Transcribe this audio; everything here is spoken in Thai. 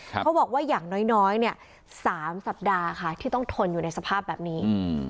เพราะบอกว่าอย่างน้อย๓สัปดาห์ค่ะที่ต้องทนอยู่ในสภาพแบบนี้